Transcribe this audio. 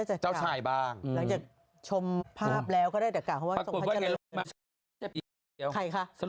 ชื่อที่เราตามกันอยู่จะขึ้น